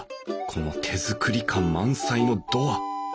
この手作り感満載のドア。